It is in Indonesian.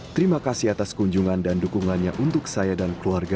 terima kasih atas kunjungan dan dukungannya untuk saya dan keluarga